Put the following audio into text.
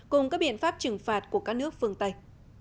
cùng các biện pháp trừng phạt của các nước phương tây